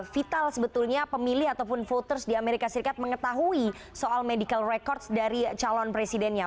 vital sebetulnya pemilih ataupun voters di amerika serikat mengetahui soal medical record dari calon presidennya